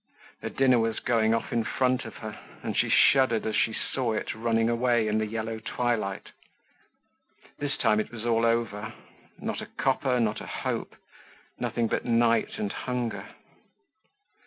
Her dinner was going off in front of her, and she shuddered as she saw it running away in the yellow twilight. This time it was all over. Not a copper, not a hope, nothing but night and hunger.